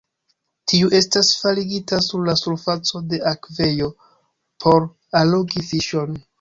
Tiu estas faligita sur la surfaco de akvejo por allogi fiŝon.